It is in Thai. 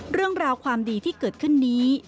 เรื่องราวความดีที่เกิดขึ้นนี้